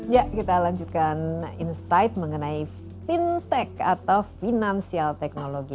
ya kita lanjutkan insight mengenai fintech atau financial technology